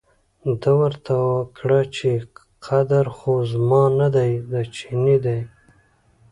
ده ورته کړه چې قدر خو زما نه دی، د چپنې دی.